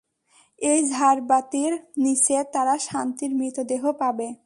এই ঝাড়বাটির নীচে, তারা শান্তির মৃতদেহ পাবে।